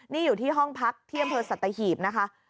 นี่อยู่ที่ห้องพักเที่ยมเถอะสะตะหิวนะคะ